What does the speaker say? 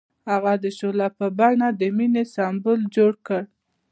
هغه د شعله په بڼه د مینې سمبول جوړ کړ.